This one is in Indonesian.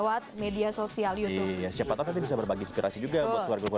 gaada babysitter gaada aset rumah tangga